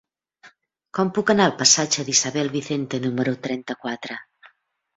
Com puc anar al passatge d'Isabel Vicente número trenta-quatre?